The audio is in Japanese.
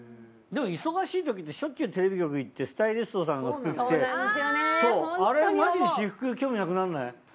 でも忙しいときってしょっちゅうテレビ局行ってスタイリストさんの服着てあれマジで私服興味なくなんない？